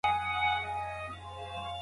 بد انسان تل خنډ جوړوي